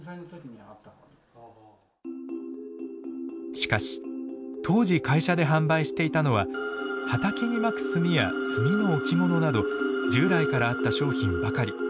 しかし当時会社で販売していたのは畑にまく炭や炭の置物など従来からあった商品ばかり。